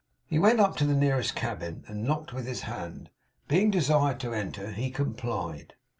He went up to the nearest cabin, and knocked with his hand. Being desired to enter, he complied.